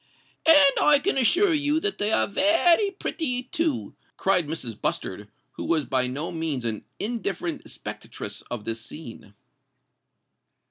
"And I can assure you that they are very pretty too," cried Mrs. Bustard, who was by no means an indifferent spectatress of this scene.